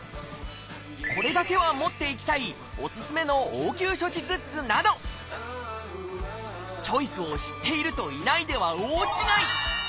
これだけは持って行きたいおすすめの応急処置グッズなどチョイスを知っているといないでは大違い！